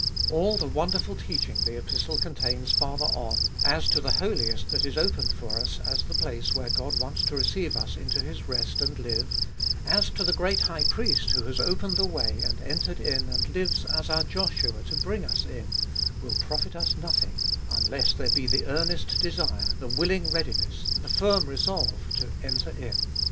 All the wonderful teaching the Epistle contains farther on, as to the Holiest that is opened for us as the place where God wants to receive us into His rest and live, as to the great High Priest who has opened the way and entered in and lives as our Joshua to bring us in, will profit us nothing, unless there be the earnest desire, the willing readiness, the firm resolve, to 156 Cbe Dolfest of BU enter in.